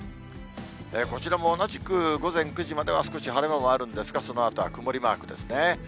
こちらも同じく午前９時までは少し晴れ間もあるんですが、そのあとは曇りマークですね。